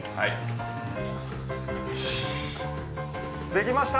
できました！